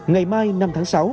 ngày mai năm tháng sáu